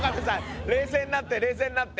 冷静になって冷静になって。